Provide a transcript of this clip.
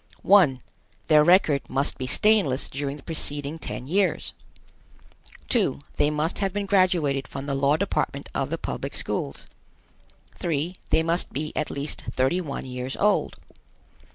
1. Their record must be stainless during the preceding ten years. 2. They must have been graduated from the law department of the public schools. 3. They must be at least thirty one years old.